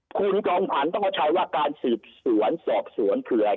คุณจอมขวัญต้องเข้าใจว่าการสืบสวนสอบสวนคืออะไร